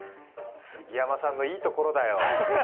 杉山さんのいいところだよ。